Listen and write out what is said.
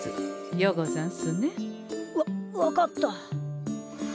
ようござんすね。わ分かった。